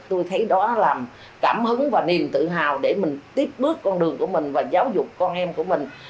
tôi thấy đó là cảm hứng và niềm tự hào để mình tiếp bước con đường của mình và giáo dục con em của mình